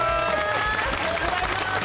おはようございます。